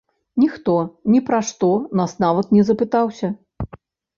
Ніхто ні пра што нас нават не запытаўся!